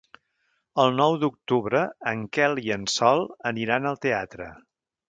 El nou d'octubre en Quel i en Sol aniran al teatre.